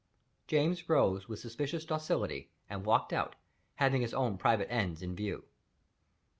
James rose with suspicious docility, and walked out, having his own private ends in view.